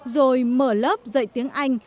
rồi mở lớp dạy tiếng anh